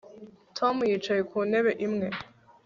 Tom yicaye ku ntebe imwe